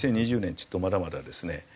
２０２０年ちょっとまだまだですね